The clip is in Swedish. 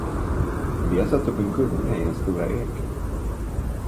Vi har satt upp en gunga i den stora eken.